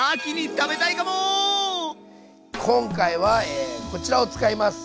今回はこちらを使います。